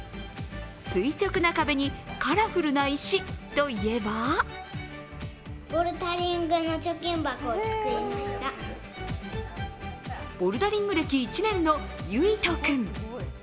垂直な壁にカラフルな石といえばボルダリング歴１年の結斗君。